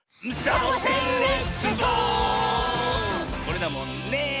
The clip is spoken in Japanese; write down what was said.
これだもんね。